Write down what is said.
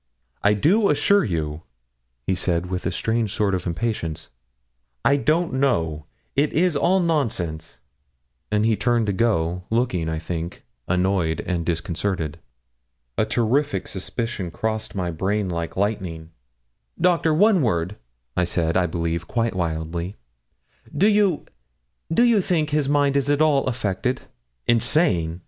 'I do assure you,' he said, with a strange sort of impatience, 'I don't know; it is all nonsense.' And he turned to go, looking, I think, annoyed and disconcerted. A terrific suspicion crossed my brain like lightning. 'Doctor, one word,' I said, I believe, quite wildly. 'Do you do you think his mind is at all affected?' 'Insane?'